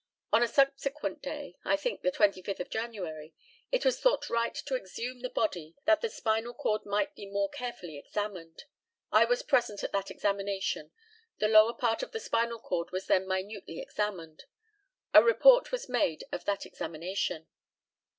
On a subsequent day, I think the 25th of January, it was thought right to exhume the body, that the spinal cord might be more carefully examined. I was present at that examination. The lower part of the spinal cord was then minutely examined. A report was made of that examination.